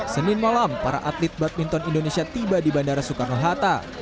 senin malam para atlet badminton indonesia tiba di bandara soekarno hatta